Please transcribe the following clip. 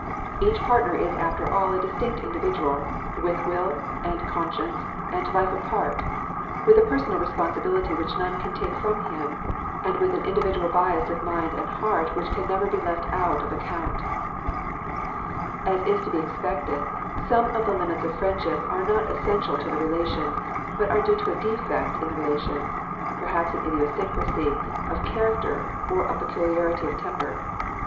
Each partner is after all a dis tinct individual, with will, and conscience, and life apart, with a personal responsi bility which none can take from him, and with an individual bias of mind and heart which can never be left out of account As is to be expected, some of the lim its of friendship are not essential to the relation, but are due to a defect in the re lation, perhaps an idiosyncrasy of char acter or a peculiarity of temper.